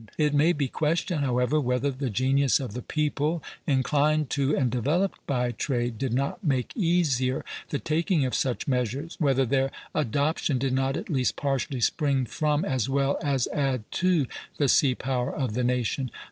It may be questioned, however, whether the genius of the people, inclined to and developed by trade, did not make easier the taking of such measures; whether their adoption did not at least partially spring from, as well as add to, the sea power of the nation.